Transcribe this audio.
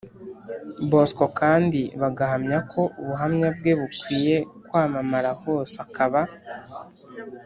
Bosco kandi bagahamya ko ubuhamya bwe bukwiye kwamamara hose akaba